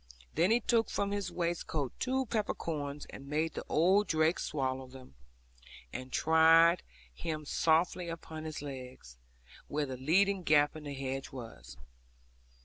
Then he took from his waistcoat two peppercorns, and made the old drake swallow them, and tried him softly upon his legs, where the leading gap in the hedge was.